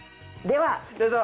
では。